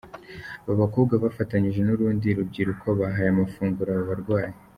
Aba bakobwa bafatanyije n'urundi rubyiruko bahaye amafunguro aba barwayi.